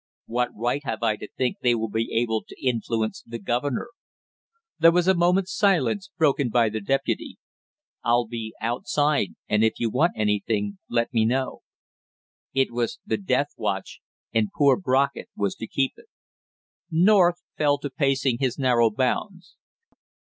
"What right have I to think they will be able to influence the governor?" There was a moment's silence broken by the deputy. "I'll be outside, and if you want anything, let me know." It was the death watch, and poor Brockett was to keep it. North fell to pacing his narrow bounds.